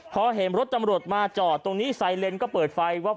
พอเห็นรถตำรวจมาจอดตรงนี้ไซเลนก็เปิดไฟว่า